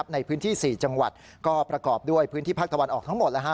ในพื้นที่๔จังหวัดก็ประกอบด้วยพื้นที่ภาคตะวันออกทั้งหมด